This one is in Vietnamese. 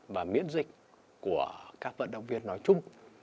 và miễn dịch của các vận động viên nói chung